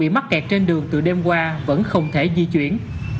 nhiều người bị mắc kẹt trên đường từ đêm qua vẫn không thể di chuyển